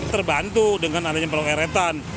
terbantu dengan adanya perahu eretan